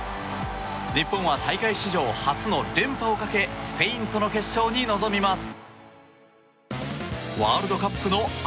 日本は、大会史上初の連覇をかけスペインとの決勝に臨みます。